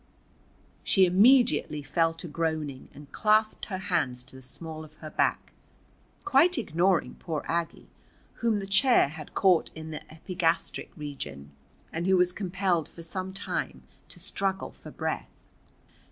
She immediately fell to groaning and clasped her hands to the small of her back, quite ignoring poor Aggie, whom the chair had caught in the epigastric region, and who was compelled for some time to struggle for breath.